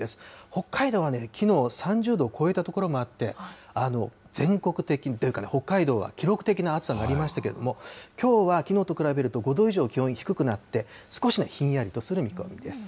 北海道はね、きのう、３０度を超えた所もあって、全国的というか、北海道は記録的な暑さになりましたけれども、きょうはきのうと比べると５度以上気温低くなって、少しひんやりする見込みです。